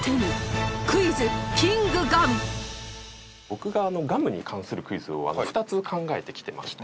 僕がガムに関するクイズを２つ考えてきてまして。